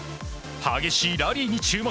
激しいラリーに注目。